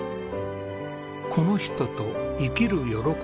「この人と生きる喜び